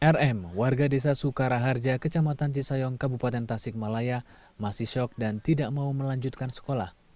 rm warga desa sukaraharja kecamatan cisayong kabupaten tasikmalaya masih shock dan tidak mau melanjutkan sekolah